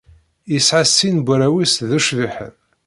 Yesɛa sin n warraw-is d ucbiḥen.